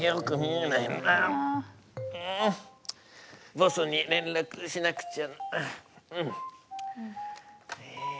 ボスに連絡しなくちゃ。